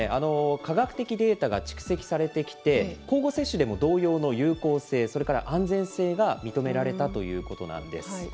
科学的データが蓄積されてきて、交互接種でも同様の有効性、それから安全性が認められたということなんです。